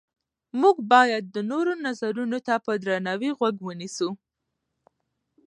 موږ باید د نورو نظرونو ته په درناوي غوږ ونیسو